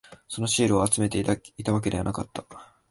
そのシールを集めていたわけではなかった。